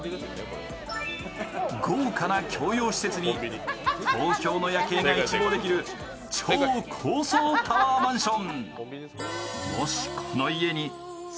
豪華な共用施設に東京の夜景が一望できる超高層タワーマンション。